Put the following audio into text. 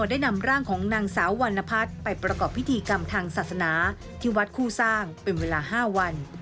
ได้นำร่างของนางสาววรรณพัฒน์ไปประกอบพิธีกรรมทางศาสนาที่วัดคู่สร้างเป็นเวลา๕วัน